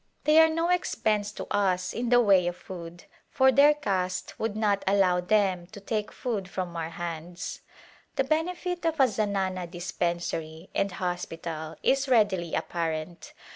They are no expense to us in the way of food, for their caste would not allow them to take food from our hands. A Glimpse of India The benefit of a zanana dispensary and hospital is readily apparent.